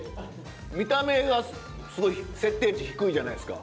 見た目がすごい設定値低いじゃないですか。